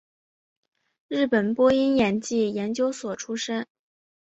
日本播音演技研究所出身。